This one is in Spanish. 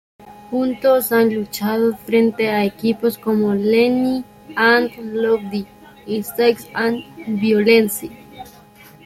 Juntos han luchado frente a equipos como Lenny and Lodi y Sex and Violence.